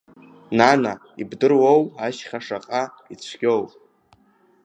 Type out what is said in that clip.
Нана, ибдыруоу ашьха шаҟа ицәгьоу?